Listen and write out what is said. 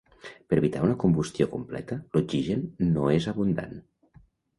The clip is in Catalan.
Per evitar una combustió completa, l'oxigen no és abundant.